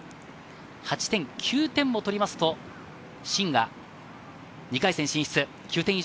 ８点、９点を取りますと、シンが２回戦進出。